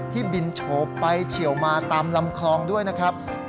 บินโฉบไปเฉียวมาตามลำคลองด้วยนะครับ